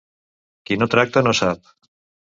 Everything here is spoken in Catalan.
Qui no tracta, no sap.